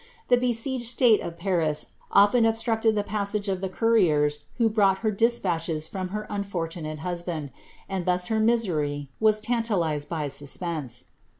The besieged state of Paris often ^iructed the passage of the couriers who brought her despatches from ler unfortunate husband, and thus her misery was tantalized by suspense.